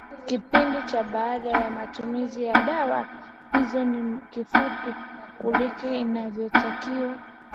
kipindi cha baada ya matumizi ya dawa hizo ni kifupi kuliko inavyotakiwa